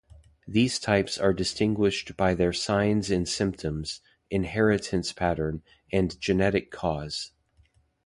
These types are distinguished by their signs and symptoms, inheritance pattern, and genetic cause.